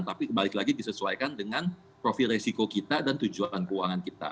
tapi kembali lagi disesuaikan dengan profil resiko kita dan tujuan keuangan kita